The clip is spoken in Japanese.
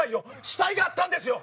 死体があったんですよ。